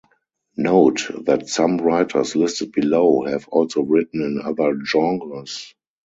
Note that some writers listed below have also written in other genres.